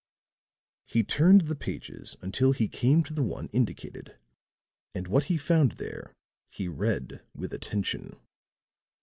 He turned the pages until he came to the one indicated; and what he found there he read with attention.